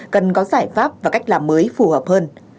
cần có giải pháp và cách làm mới phù hợp hơn